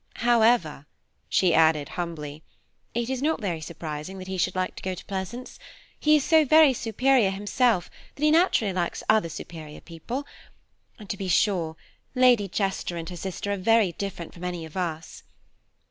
However," she added humbly, "it is not very surprising he should like to go to Pleasance. He is so very superior himself that he naturally likes other superior people; and, to be sure, Lady Chester and her sister are very different from any of us.